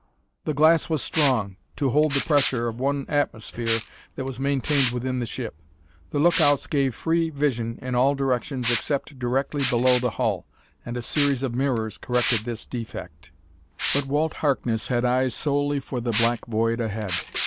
The glass was strong, to hold the pressure of one atmosphere that was maintained within the ship. The lookouts gave free vision in all directions except directly below the hull, and a series of mirrors corrected this defect. But Walt Harkness had eyes solely for the black void ahead.